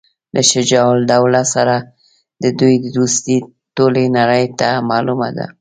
له شجاع الدوله سره د دوی دوستي ټولي نړۍ ته معلومه ده.